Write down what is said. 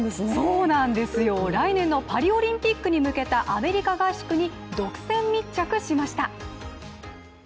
そうなんですよ、来年のパリオリンピックに向けたアメリカ合宿に独占密着しました。